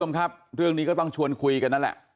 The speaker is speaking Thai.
คุณผู้ชมครับเรื่องนี้ก็ต้องชวนคุยกันนั่นแหละ